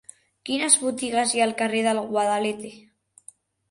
Quines botigues hi ha al carrer del Guadalete?